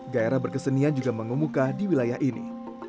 gairah berkesenian juga mengemuka di wilayah ini